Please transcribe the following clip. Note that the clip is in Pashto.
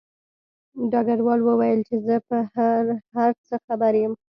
ډګروال وویل چې زه په هر څه خبر یم